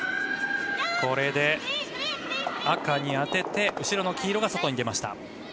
これで赤に当てて後ろの黄色が外に出ました。